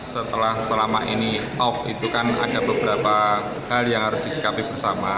setelah selama ini off itu kan ada beberapa hal yang harus disikapi bersama